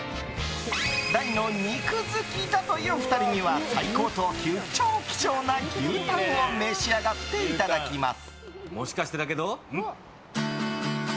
大の肉好きだという２人は最高等級超希少な牛タンを召し上がっていただきます。